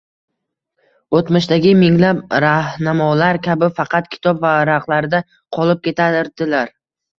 o‘tmishdagi minglab rahnamolar kabi faqat kitob varaqlarida qolib ketardilar.